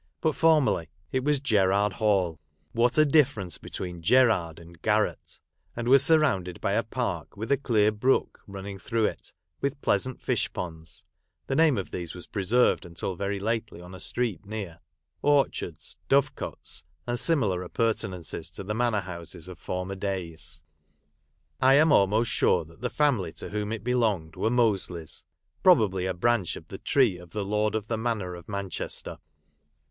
But formerly it was Gerard Hall, (what a difference between Gerard and Garratt !) and was surrounded by a park with a clear brook running through it, with pleasant fish ponds, (the name of these was preserved until very lately, on a street near), orchards, dove cotes, and similar appur tenances to the manor houses of former days. [ am almost sure that the family to whom it Delonged were Mosleys, probably a branch of Aie tree of the lord of the Manor of Man hester.